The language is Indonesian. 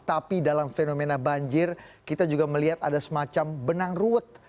tapi dalam fenomena banjir kita juga melihat ada semacam benang ruwet